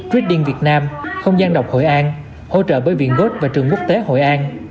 reading việt nam không gian đọc hội an hỗ trợ bởi viện gốt và trường quốc tế hội an